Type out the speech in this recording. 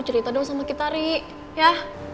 cerita dong sama kita ri ya